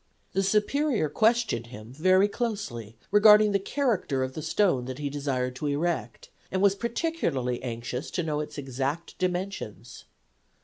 The Superior questioned him very closely regarding the character of the stone that he desired to erect, and was particularly anxious to know its exact dimensions.